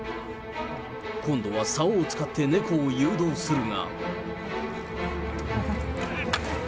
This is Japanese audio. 今度はさおを使って猫を誘導するが。